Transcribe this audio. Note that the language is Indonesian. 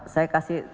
saya kasih telur